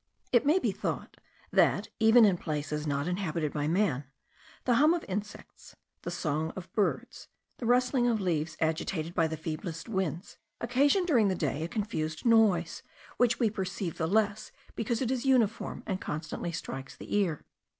It may be thought that, even in places not inhabited by man, the hum of insects, the song of birds, the rustling of leaves agitated by the feeblest winds, occasion during the day a confused noise, which we perceive the less because it is uniform, and constantly strikes the ear.